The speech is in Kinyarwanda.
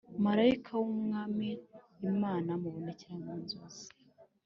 marayika w’Umwami Imana amubonekera mu nzozi